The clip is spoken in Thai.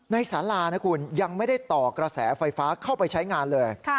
สารานะคุณยังไม่ได้ต่อกระแสไฟฟ้าเข้าไปใช้งานเลย